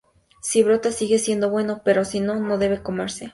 Si brota, sigue siendo bueno, pero si no, no debe comerse.